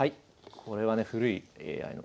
これはね古いＡＩの。